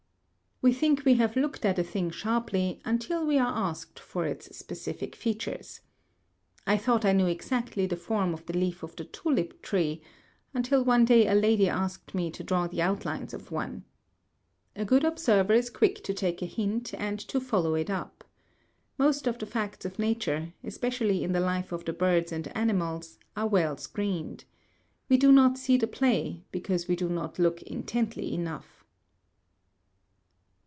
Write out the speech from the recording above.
We think we have looked at a thing sharply until we are asked for its specific features. I thought I knew exactly the form of the leaf of the tulip tree, until one day a lady asked me to draw the outlines of one. A good observer is quick to take a hint and to follow it up. Most of the facts of nature, especially in the life of the birds and animals, are well screened. We do not see the play, because we do not look intently enough.